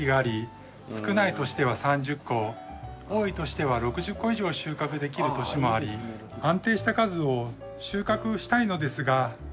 ただ毎年以上収穫できる年もあり安定した数を収穫したいのですが。